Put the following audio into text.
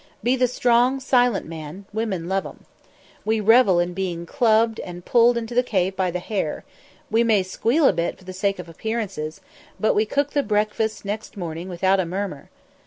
Be the strong, silent man; women love 'em. We revel in being clubbed and pulled into the cave by the hair; we may squeal a bit for the sake of appearances, but we cook the breakfast nest morning without a murmur!